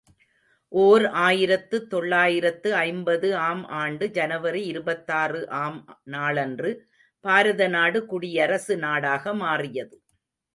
ஓர் ஆயிரத்து தொள்ளாயிரத்து ஐம்பது ஆம் ஆண்டு, ஜனவரி இருபத்தாறு ஆம் நாளன்று, பாரதநாடு குடியரசு நாடாக மாறியது.